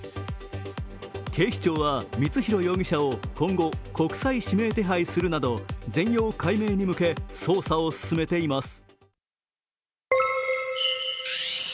警視庁は、光弘容疑者を今後、国際指名手配するなど、全容解明に向け捜査を進めています。